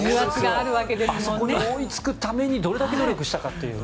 あそこに追いつくためにどれだけ努力したかというね。